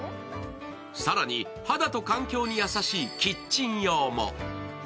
更に、肌と環境に優しいキッチン用も。